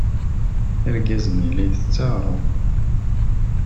Argaz-nni la ittett aɣrum.